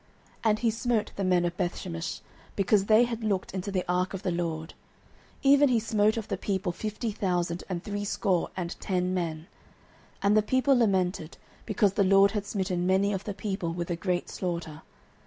09:006:019 And he smote the men of Bethshemesh, because they had looked into the ark of the LORD, even he smote of the people fifty thousand and threescore and ten men: and the people lamented, because the LORD had smitten many of the people with a great slaughter.